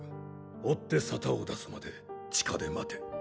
追って沙汰を出すまで地下で待て。